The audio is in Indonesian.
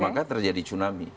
maka terjadi tsunami